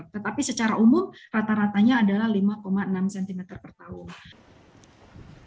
tetapi secara umum rata ratanya adalah lima enam cm per tahun